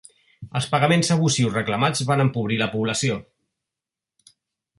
Els pagaments abusius reclamats van empobrir la població.